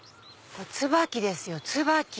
ツバキですよツバキ！